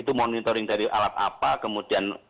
itu monitoring dari alat apa kemudian